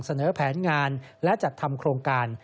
เสนอแผนงานและจัดทำโครงการ